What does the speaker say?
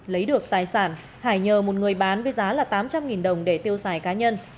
lấy được tài sản hải nhờ một người bán với giá là tám trăm linh đồng để tiêu xài cá nhân